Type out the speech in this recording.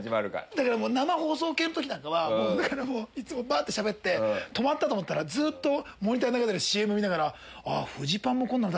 だから生放送系の時なんかはだからもういつもバってしゃべって止まったと思ったらずっとモニターで流れてるＣＭ見ながら。